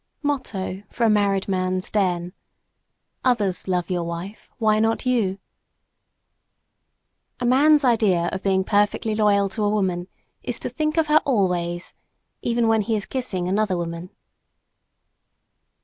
Motto for a married man's den: "Others love your wife, why not you?" A man's idea of being perfectly loyal to a woman is to "think of her always" even when he is kissing another woman.